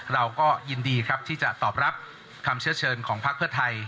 เราก็ยินดีครับที่จะตอบรับคำเชื้อเชิญของพักเพื่อไทย